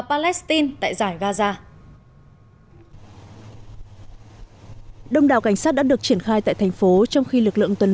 palestine tại giải gaza đông đảo cảnh sát đã được triển khai tại thành phố trong khi lực lượng tuần